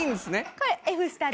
これＦスタで。